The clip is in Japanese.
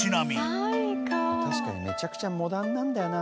ウエンツ：確かにめちゃくちゃモダンなんだよな。